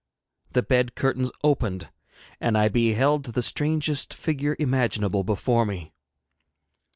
The bed curtains opened and I beheld the strangest figure imaginable before me.